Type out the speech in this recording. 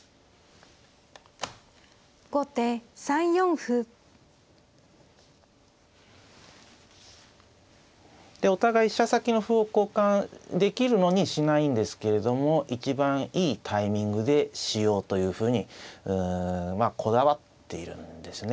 後手３四歩。でお互い飛車先の歩を交換できるのにしないんですけれども一番いいタイミングでしようというふうにこだわっているんですね。